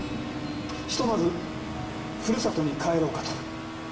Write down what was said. ひとまずふるさとに帰ろうかと。